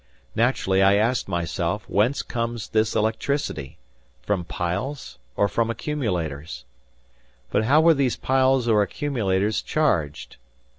Naturally I asked myself whence comes this electricity, from piles, or from accumulators? But how were these piles or accumulators charged?